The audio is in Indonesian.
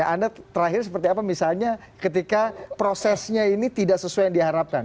anda terakhir seperti apa misalnya ketika prosesnya ini tidak sesuai yang diharapkan